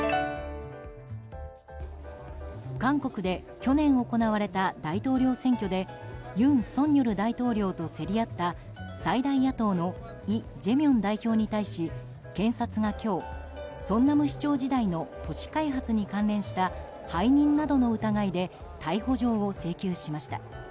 韓国で去年行われた大統領選挙で尹錫悦大統領と競り合った最大野党のイ・ジェミョン代表に対し検察が今日ソンナム市長時代の都市開発に関連した背任などの疑いで逮捕状を請求しました。